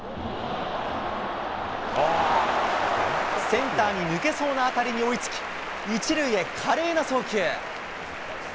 センターに抜けそうな当たりに追いつき、１塁へ華麗な送球。